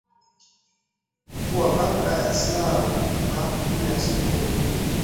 kuwa kabla ya saa na nne asubuhi